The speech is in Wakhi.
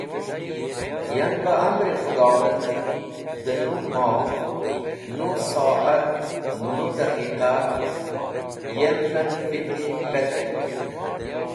Yan ba amr-e Khũdhowand, dẽ nũ moh, nũ so’at, nũ daqiqa, yem’ven viti petr.